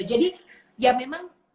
jadi ya memang